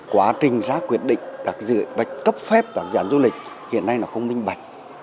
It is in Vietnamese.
quá trình ra quyết định và cấp phép các dự án du lịch hiện nay nó không minh bạch